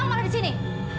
kamu malah disini